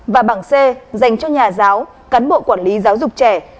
và bảng c dành cho nhà giáo cán bộ quản lý giáo dục trẻ